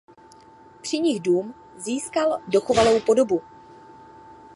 Při nich dům získal dochovanou podobu.